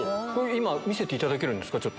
今見せていただけるんですか？